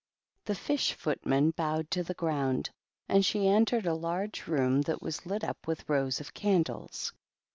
The fish footman bowed to the ground, and she entered a large room that was lit up with rows of candles.